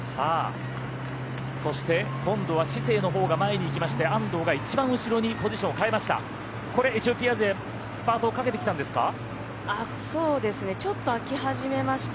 そして、今度はシセイのほうが前に行きまして安藤が一番後ろにポジションを変えました。